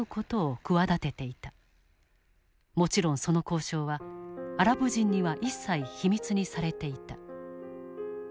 もちろんその交渉はアラブ人には一切秘密にされていた。